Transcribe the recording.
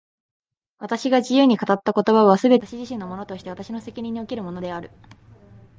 私が自由に語った言葉は、すべて私自身のものとして私の責任におけるものである。